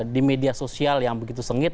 di media sosial yang begitu sengit